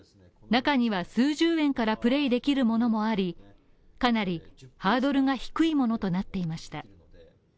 中には数十円からプレイできるものもありかなりハードルが低いものとなっていました